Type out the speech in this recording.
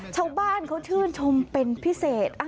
ชาวบ้านเขาชื่นชมเป็นพิเศษ